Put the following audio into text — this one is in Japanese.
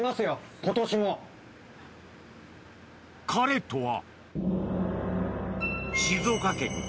・彼とは？